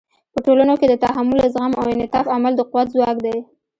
په ټولنو کې د تحمل، زغم او انعطاف عمل د قوت ځواک دی.